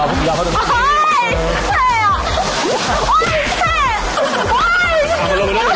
อุ๊ยเสร็จ